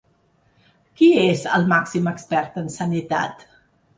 Qui és el màxim expert en sanitat?